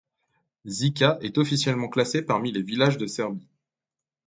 Žiča est officiellement classé parmi les villages de Serbie.